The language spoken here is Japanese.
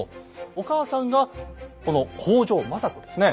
お母さんがこの北条政子ですね。